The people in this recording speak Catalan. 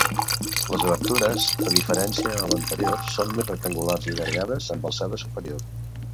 Les obertures a diferència a l'anterior són més rectangulars i allargades amb alçada superior.